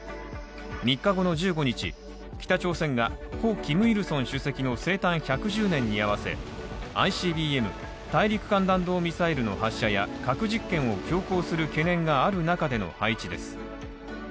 ３日後の１５日、北朝鮮が故キム・イルソン主席の生誕１１０年に合わせＩＣＢＭ＝大陸間弾道ミサイルの発射や核実験を強行する懸念がある中での配置です。